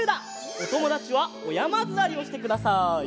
おともだちはおやまずわりをしてください。